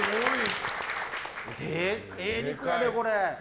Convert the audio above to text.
ええ肉やね、これ。